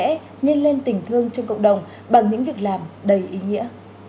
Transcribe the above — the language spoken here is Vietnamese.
các bệnh nhân tình thương trong cộng đồng bằng những việc làm đầy ý nghĩa